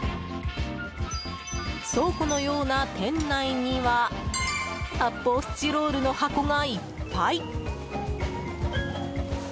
倉庫のような店内には発泡スチロールの箱がいっぱい。